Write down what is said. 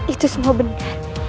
itu semua benar